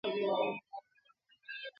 برتانويان د ایوب خان په هوښیارۍ نه پوهېږي.